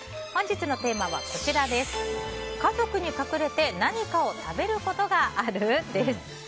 本日のテーマは、家族に隠れて何かを食べることがある？です。